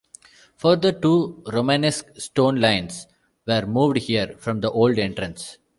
Further, two Romanesque stone lions were moved here from the old entrance.